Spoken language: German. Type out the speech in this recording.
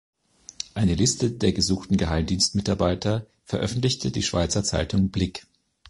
Eine Liste der gesuchten Geheimdienstmitarbeiter veröffentlichte die Schweizer Zeitung Blick.